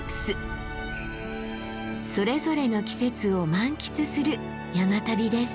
それぞれの季節を満喫する山旅です。